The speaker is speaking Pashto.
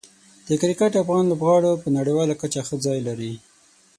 د کرکټ افغان لوبغاړو په نړیواله کچه ښه ځای لري.